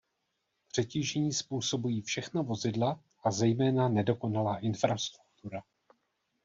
Přetížení způsobují všechna vozidla, a zejména nedokonalá infrastruktura.